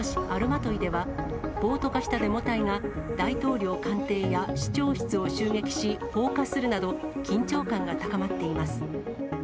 アルマトイでは、暴徒化したデモ隊が、大統領官邸や市長室を襲撃し放火するなど、緊張感が高まっています。